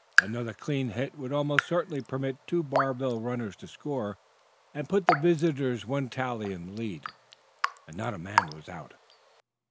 Another clean hit would almost certainly permit two Barville runners to score and put the visitors one tally in the lead. And not a man was out!